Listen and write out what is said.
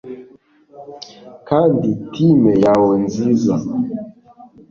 Kandi thime yawe nziza